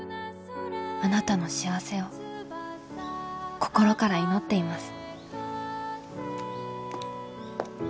あなたの幸せを心から祈っています」。